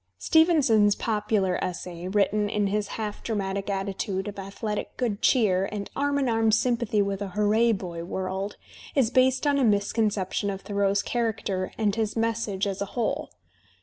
Stevenson's popular essay, written in his half dramatic attitude of athletic good cheer and arm in arm sympathy with a hooray boy world, is based on a misconception of Thoreau's character and his message as a whole.